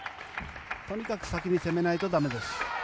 とにかく先に攻めないと駄目です。